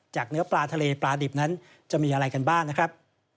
เนื้อปลาทะเลปลาดิบนั้นจะมีอะไรกันบ้างนะครับ